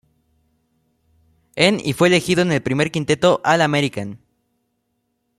En y fue elegido en el primer quinteto All-American.